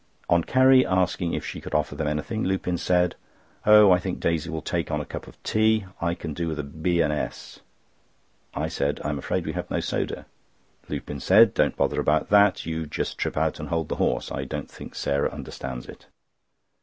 On Carrie asking if she could offer them anything, Lupin said: "Oh, I think Daisy will take on a cup of tea. I can do with a B. and S." I said: "I am afraid we have no soda." Lupin said: "Don't bother about that. You just trip out and hold the horse; I don't think Sarah understands it."